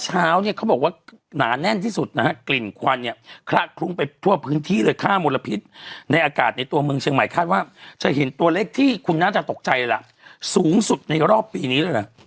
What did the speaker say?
เชียงใหม่คาดว่าจะเห็นตัวเล็กที่คุณน่าจะตกใจล่ะสูงสุดในรอบปีนี้แล้วล่ะ